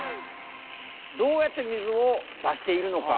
どうやって水を出しているのか？